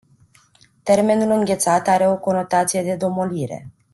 Termenul "înghețat” are o conotație de domolire.